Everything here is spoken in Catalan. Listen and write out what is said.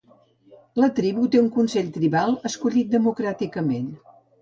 La tribu té un consell tribal escollit democràticament.